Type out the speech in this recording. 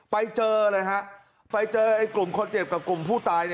ไปเจอเลยฮะไปเจอกลุ่มคนเจ็บกับกลุ่มผู้ตาย